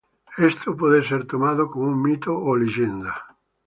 Esto, puede ser tomado como un mito o leyenda.